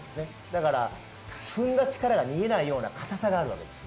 だから踏んだ力が逃げないような堅さがあるわけです。